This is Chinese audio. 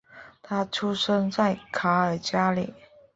他出生在卡尔加里。